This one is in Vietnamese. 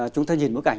chúng ta nhìn bức ảnh